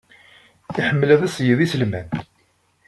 Iḥemmel ad iṣeyyed iselman.